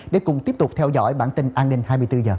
để cùng tiếp tục theo dõi bản tin an ninh hai mươi bốn h